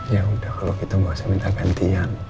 yaudah kalo gitu ga usah minta gantian